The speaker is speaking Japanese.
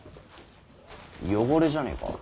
汚れじゃねえか？